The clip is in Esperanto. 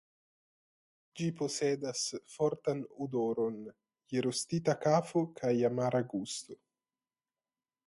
Ĝi posedas fortan odoron je rostita kafo kaj amara gusto.